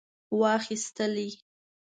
واخیستلې.